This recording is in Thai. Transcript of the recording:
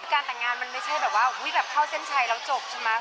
การแต่งงานมันไม่ใช่แบบว่าแบบเข้าเส้นชัยแล้วจบใช่ไหม